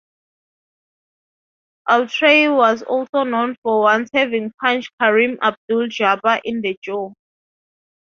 Awtrey was also known for once having punched Kareem Abdul-Jabbar in the jaw.